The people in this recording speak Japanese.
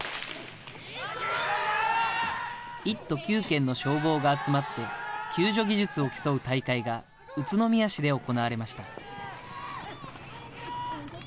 １都９県の消防が集まって、救助技術を競う大会が宇都宮市で行われました。